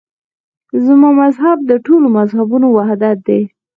زما مذهب د ټولو مذهبونو وحدت دی.